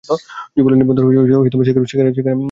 জেবেল Ali বন্দর সেখানে অবস্থিত।